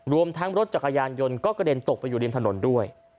รวมทั้งรถจักรยานยนต์ก็กระเด็นตกไปอยู่ริมถนนด้วย